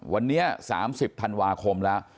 วันนี้๓๐ธันวาคมแล้ว